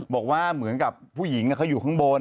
บอกว่าเหมือนกับผู้หญิงเขาอยู่ข้างบน